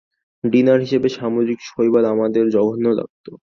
Dinner হিসাবে সামুদ্রিক শৈবাল আমাদের জঘন্য লাগতো।